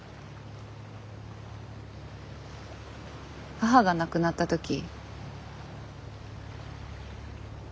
母が亡くなったとき。